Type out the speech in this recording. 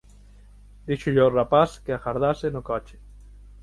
Díxolle ao rapaz que agardase no coche.